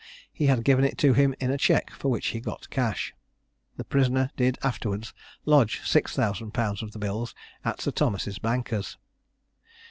He had given it to him in a check, for which he got cash. The prisoner did afterwards lodge £6000 of the bills at Sir Thomas's bankers.